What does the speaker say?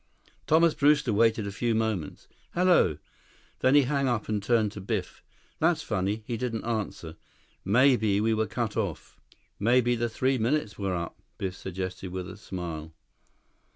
Thomas Brewster waited a few moments. "Hello...." Then he hung up and turned to Biff. "That's funny. He didn't answer. Maybe we were cut off." "Maybe the three minutes were up," Biff suggested with a smile.